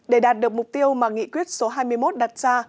để đạt được mục tiêu mà nghị quyết số hai mươi một đặt ra